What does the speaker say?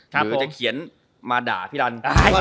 คือจะเขียนมาด่าพี่รัน